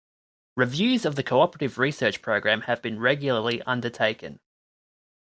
Reviews of the Cooperative Research Programme have been regularly undertaken.